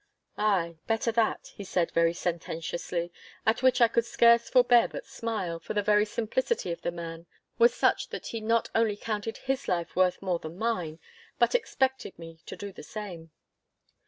'Ay, better that,' he said very sententiously, at which I could scarce forbear but smile, for the very simplicity of the man was such that he not only counted his life worth more than mine, but expected me to do the same.